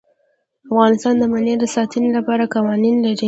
افغانستان د منی د ساتنې لپاره قوانین لري.